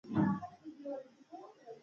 په راتلونکې ورځ بیا خپل کاري ځواک پلوري